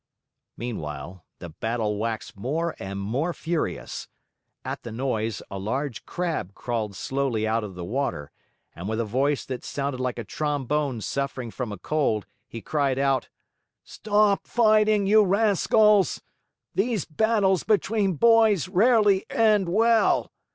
Meanwhile, the battle waxed more and more furious. At the noise, a large Crab crawled slowly out of the water and, with a voice that sounded like a trombone suffering from a cold, he cried out: "Stop fighting, you rascals! These battles between boys rarely end well.